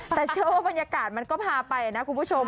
แต่เชื่อว่าบรรยากาศมันก็พาไปนะคุณผู้ชม